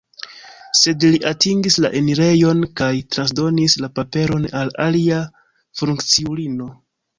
Sed li atingis la enirejon kaj transdonis la paperon al alia funkciulino.